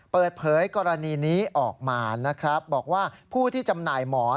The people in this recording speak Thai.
เปิดเผยกรณีนี้ออกมานะครับบอกว่าผู้ที่จำหน่ายหมอน